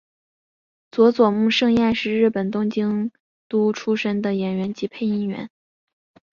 佐佐木胜彦是日本东京都出身的演员及配音员。